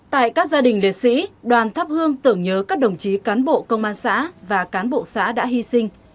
tại các gia đình liệt sĩ đoàn thắp hương tưởng nhớ các đồng chí cán bộ công an xã và cán bộ xã đã hy sinh